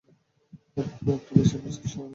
হয়তো তুমি একটু বেশিই চেষ্টা করছ।